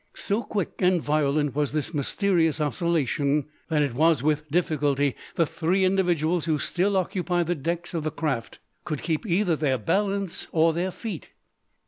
So quick and violent was this mysterious oscillation, that it was with difficulty the three individuals who still occupied the decks of the craft could keep either their balance or their feet.